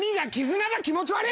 気持ち悪ぃ！